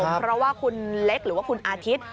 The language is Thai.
เพราะว่าคุณเล็กหรือว่าคุณอาทิตย์